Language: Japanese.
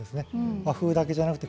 和風だけではなくて。